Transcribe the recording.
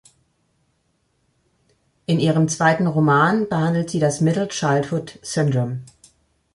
In ihrem zweiten Roman behandelt sie das „middle childhood syndrome“.